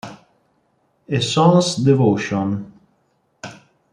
A Son's Devotion